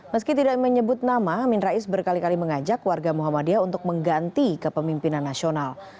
meski tidak menyebut nama amin rais berkali kali mengajak warga muhammadiyah untuk mengganti kepemimpinan nasional